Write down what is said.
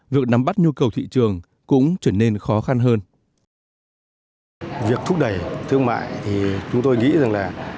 việc nắm bắt nhu cầu thị trường cũng trở nên khó khăn hơn